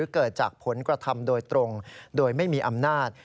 เกิดจากผลกระทำโดยตรงโดยไม่มีอำนาจ